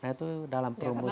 nah itu dalam promosi promosi